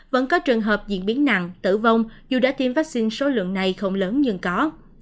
vẫn có trường hợp diễn biến nặng tử vong dù đã tiêm vaccine số lượng này không lớn nhưng có